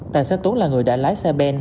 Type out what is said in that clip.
tài xế tuấn là người đã lái xe ben